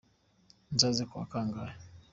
Nzaze ku wa kangahe?